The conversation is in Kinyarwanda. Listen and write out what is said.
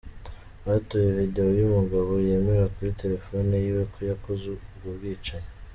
Batoye videwo y'umugabo yemera kuri telefone yiwe ko yakoze ubwo bwicanyi.